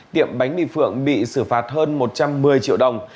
tiệm bánh mì phượng bị xử phạt hơn một trăm một mươi triệu đồng